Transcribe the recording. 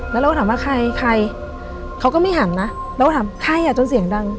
แล้วเราก็ถามว่าใครใครเขาก็ไม่หันนะเราก็ถามใครอ่ะจนเสียงดัง